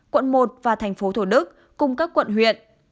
quận một và tp thổ đức cùng các quận huyện